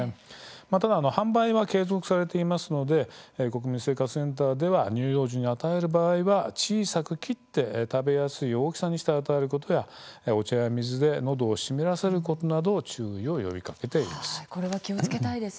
ただ販売は継続されていますので国民生活センターでは乳幼児に与える場合は小さく切って食べやすい大きさにして与えることやお茶や水でのどを湿らせることなど注意を呼びかけているんです。